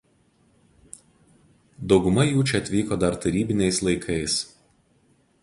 Dauguma jų čia atvyko dar tarybiniais laikais.